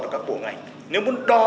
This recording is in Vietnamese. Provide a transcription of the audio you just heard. của các bộ ngành nếu muốn đo